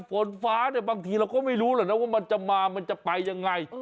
ฝนฟ้าบางทีเราก็ไม่รู้ว่ามันจะมามันจะไปยังไง